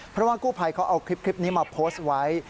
เพราะว่ากู้ภัยเขาเอาคลิปนี้มาโพสต์ไว้